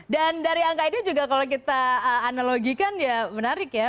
dan dari angka ini juga kalau kita analogikan ya menarik ya